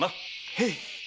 へい。